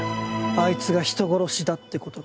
あいつが人殺しだってことが。